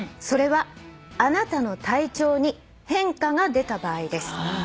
「それはあなたの体調に変化が出た場合です」